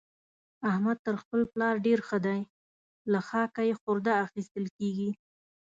احمد تر خپل پلار ډېر ښه دی؛ له خاکه يې خورده اخېستل کېږي.